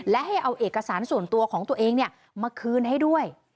และให้เอาเอกสารส่วนตัวของตัวเองมาคืนให้ด้วย